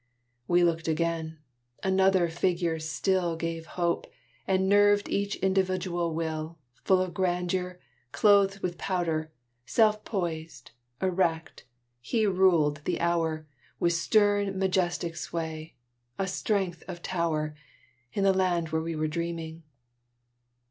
We looked again: another figure still Gave hope, and nerved each individual will Full of grandeur, clothed with power, Self poised, erect, he ruled the hour With stern, majestic sway of strength a tower, In the land where we were dreaming.